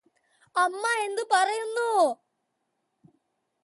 അമ്മ എന്ത് പറയുന്നു?